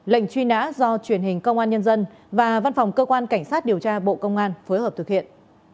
lệnh truy nã do truyền hình công an nhân dân và văn phòng cơ quan cảnh sát điều tra bộ công an phối hợp thực hiện